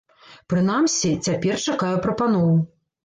Прынамсі, цяпер чакаю прапаноў.